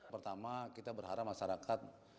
pertama kita berharap masyarakat